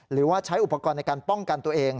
หรือว่าใช้อุปกรณ์ในการป้องกันตัวเอง